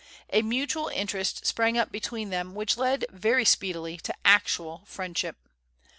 A mutual interest sprang up between them which led very speedily to actual friendship.